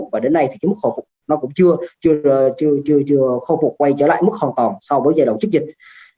và đến nay thì cái mức khôi phục nó cũng chưa khôi phục quay trở lại mức hoàn toàn so với giai đoạn trước dịch